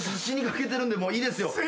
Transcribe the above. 死にかけてるんでもういいですよ。